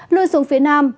lưu xuống phía nam